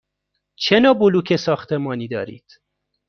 چه نوع بلوک ساختمانی دارید؟